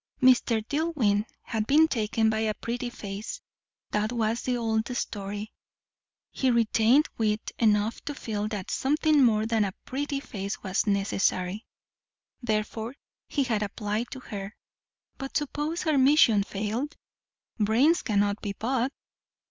Mr. DilIwyn had been taken by a pretty face; that was the old story; he retained wit enough to feel that something more than a pretty face was necessary, therefore he had applied to her; but suppose her mission failed? Brains cannot be bought.